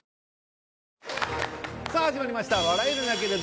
さあ始まりました